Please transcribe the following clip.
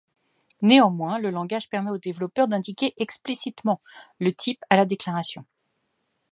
Néanmoins, le langage permet au développeur d'indiquer explicitement le type à la déclaration.